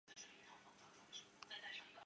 汉默史密斯是伦敦的一大波兰人聚居地。